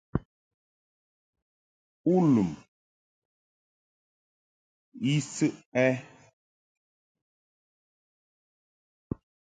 U lum I səʼ ɛ?